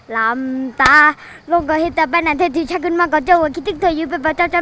ลำตาโลกก็เฮ็ดแต่แฟนอาณเทศอยู่เฉียบกันมาก็เจ้าอะคิดว่าเธออยู่เป็นเปิดปัจจัน